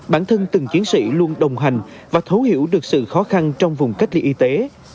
bản thân từng chiến sĩ luôn đồng hành và thấu hiểu được sự khó khăn trong vùng cách ly y tế